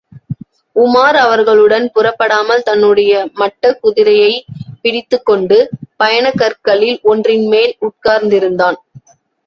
உமார் அவர்களுடன் புறப்படாமல் தன்னுடைய மட்டக்குதிரையைப் பிடித்துக்கொண்டு, பயணக் கற்களில் ஒன்றின்மேல் உட்கார்ந்திருந்தான்.